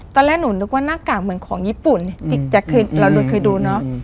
ตอนแรกหนูนึกว่าหน้ากากเหมือนของญี่ปุ่นพี่แจ๊คเราเคยดูเนอะ